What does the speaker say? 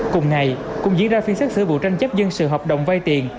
cùng ngày cũng diễn ra phiên xác xử vụ tranh chấp dân sự hợp đồng vay tiền